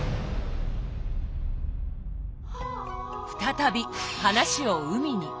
再び話を海に。